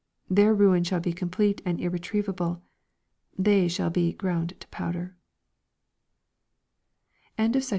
Their ruin shall be complete and ir retrievable. They shall be " ground to powder." LUKE XX. 20—26.